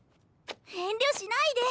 遠慮しないで。